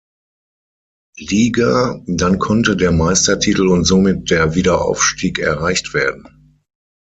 Liga, dann konnte der Meistertitel und somit der Wiederaufstieg erreicht werden.